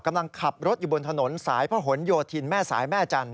กำลังขับรถอยู่บนถนนสายพระหลโยธินแม่สายแม่จันท